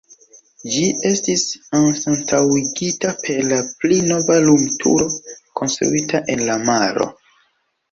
Ĝi estis anstataŭigita per la pli nova lumturo konstruita en la maro.